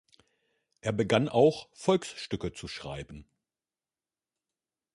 Er begann auch, Volksstücke zu schreiben.